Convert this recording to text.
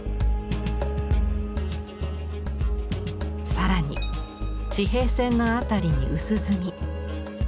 更に地平線の辺りに薄墨。